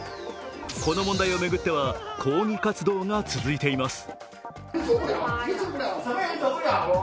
この問題を巡っては抗議活動が続いています。